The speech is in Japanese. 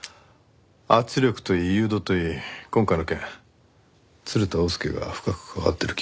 圧力といい誘導といい今回の件鶴田翁助が深く関わってる気が。